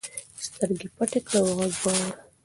سترګې پټې کړه او غږ واوره.